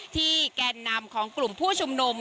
แกนนำของกลุ่มผู้ชุมนุม